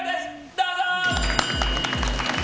どうぞ！